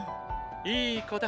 いい子だ。